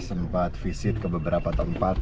sempat frankfurt kebebera apa tempat